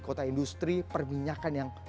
kota industri perminyakan yang